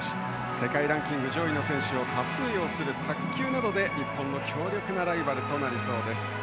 世界ランキング上位の選手を多数、擁する卓球などで日本の強力なライバルとなりそうです。